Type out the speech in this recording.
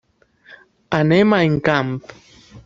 Anem a Encamp.